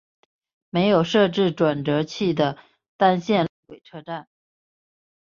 没有设置转辙器的单线路轨车站。